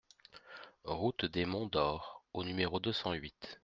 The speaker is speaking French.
Route des Monts d'Or au numéro deux cent huit